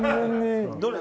どれ？